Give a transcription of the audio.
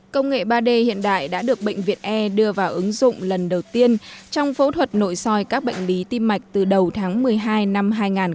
công nghệ ba d hiện đại đã được bệnh viện e đưa vào ứng dụng lần đầu tiên trong phẫu thuật nội soi các bệnh lý tim mạch từ đầu tháng một mươi hai năm hai nghìn một mươi tám